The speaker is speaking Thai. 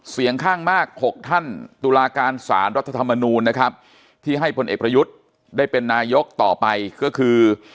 เสียงข้างมาก๖ท่านตุลาการสารรัฐธรรมนูลนะครับที่ให้พลเอกประยุทธ์ได้เป็นนายกต่อไปก็คือ